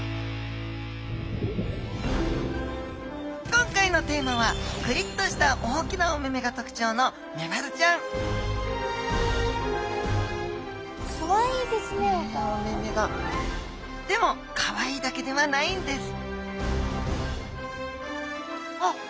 今回のテーマはクリッとした大きなお目々が特徴のメバルちゃんでもかわいいだけではないんですあっ